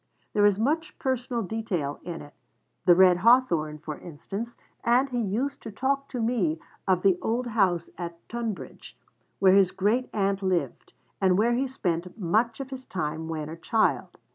There is much personal detail in it, the red hawthorn, for instance, and he used to talk to me of the old house at Tunbridge, where his great aunt lived, and where he spent much of his time when a child.